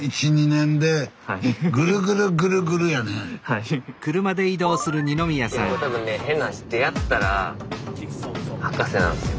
いやこれ多分ね変な話出会ったら博士なんすよ。